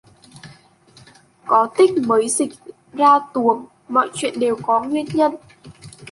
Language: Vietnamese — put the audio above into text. Có tích mới dịch ra tuồng: mọi chuyện đều có nguyên nhân